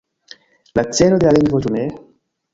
La celo de la lingvo, ĉu ne?